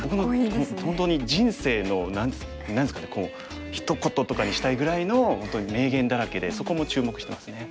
本当に人生の何ですかねひと言とかにしたいぐらいの本当に名言だらけでそこも注目してますね。